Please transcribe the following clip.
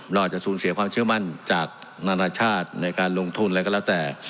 เราอาจจะสูญเสียความเชื่อมั่นจากนานาชาติในการลงทุนอะไรก็แล้วแต่